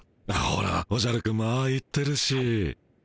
ほらおじゃるくんもああ言ってるし。